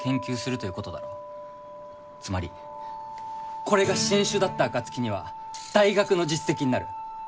つまりこれが新種だった暁には大学の実績になる。